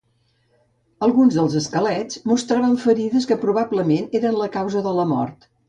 Alguns dels esquelets mostraven ferides que probablement eren la causa de la mort.